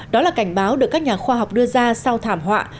đó là cảnh báo được các nhà khoa học đưa ra sau thảm họa